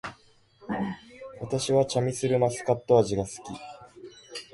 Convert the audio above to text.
私はチャミスルマスカット味が好き